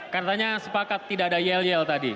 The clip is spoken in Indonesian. karena tanya sepakat tidak ada yell yell tadi